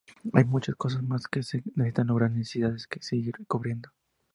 Hay mucha cosas más que se necesitan lograr y necesidades que seguir cubriendo.